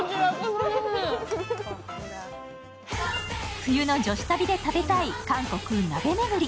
冬の女子旅で食べたい韓国鍋めぐり。